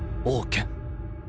オウケン